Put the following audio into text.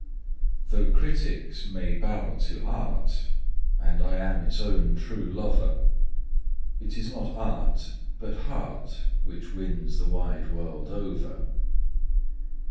Though critics may bow to art, and I am its own true lover, It is not art, but heart, which wins the wide world over.